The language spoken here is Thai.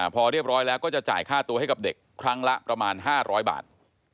พอเรียบร้อยแล้วก็จะจ่ายค่าตัวให้กับเด็กครั้งละประมาณ๕๐๐บาท